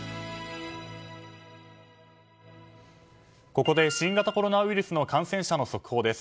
ここで新型コロナウイルスの感染者の速報です。